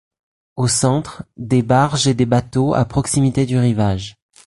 Au centre, des barges et des bateaux à proximité du rivage.